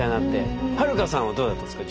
はるかさんはどうだったんですか？